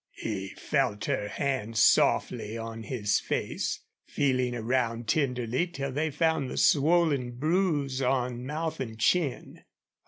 He felt her hands softly on his face, feeling around tenderly till they found the swollen bruise on mouth and chin.